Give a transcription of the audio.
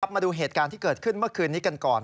มาดูเหตุการณ์ที่เกิดขึ้นเมื่อคืนนี้กันก่อน